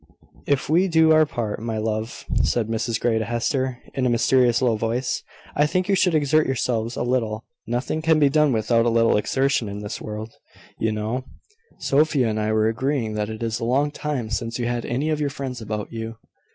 "If we do our part, my love," said Mrs Grey to Hester, in a mysterious low voice, "I think you should exert yourselves a little. Nothing can be done without a little exertion in this world, you know. Sophia and I were agreeing that it is a long time since you had any of your friends about you."